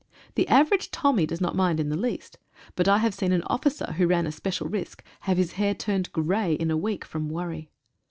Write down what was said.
The average Tommy does not mind in the least, but I have seen an officer, who ran a special risk, have his hair turned grey in a week from worry.